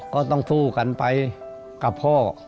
ก็ต้องสู้กันไปกับพ่อ